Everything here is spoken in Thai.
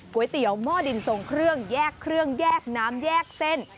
เตี๋ยหม้อดินทรงเครื่องแยกเครื่องแยกน้ำแยกเส้น